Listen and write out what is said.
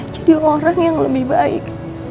jadi orang yang lebih baik